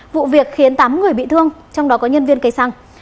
vụ việc khiến tám người bị thương trong đó có nhân viên cây xăng